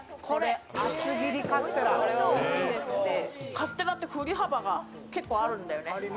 カステラって振り幅が結構あるんだよね。